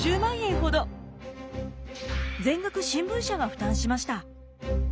全額新聞社が負担しました。